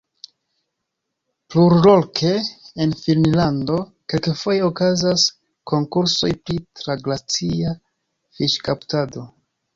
Plurloke en Finnlando kelkfoje okazas konkursoj pri traglacia fiŝkaptado.